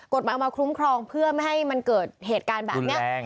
กฎหมายเอามาคุ้มครองเพื่อไม่ให้มันเกิดเหตุการณ์แบบนี้